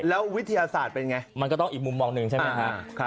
แล้ววิทยาศาสตร์เป็นไงมันก็ต้องอีกมุมมองหนึ่งใช่ไหมครับ